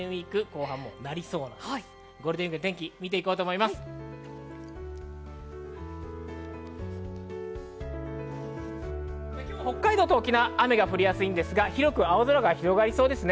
今日は北海道と沖縄、雨が降りやすいですが、広く青空が広がりそうです。